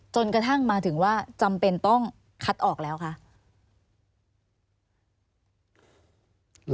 จนกระทั่งมาถึงว่าจำเป็นต้องคัดออกแล้วคะ